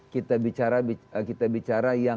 kita bicara kita bicara yang